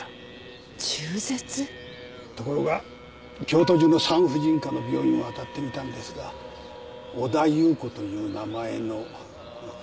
ところが京都中の産婦人科の病院を当たってみたんですが「小田夕子」という名前の患者が見つからないんです。